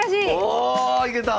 おいけた！